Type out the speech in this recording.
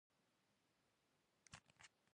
ایا لرزه یا ساړه مو کیږي؟